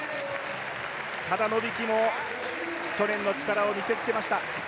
ただノビキも去年の力を見せつけました。